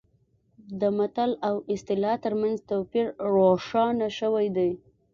د متل او اصطلاح ترمنځ توپیر روښانه شوی دی